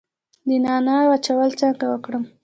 د نعناع وچول څنګه وکړم؟